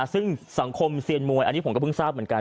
ซึ่งสังคมเซียนมวยอันนี้ผมก็เพิ่งทราบเหมือนกัน